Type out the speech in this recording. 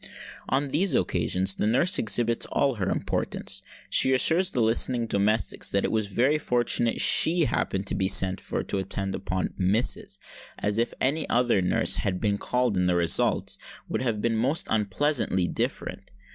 On these occasions the nurse exhibits all her importance. She assures the listening domestics that it was very fortunate she happened to be sent for to attend upon "missus," as if any other nurse had been called in the results would have been most unpleasantly different.